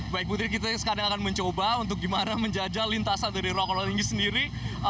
baik putri kita sekarang akan mencoba untuk gimana menjajal lintasan dari ruang ruang ini sendiri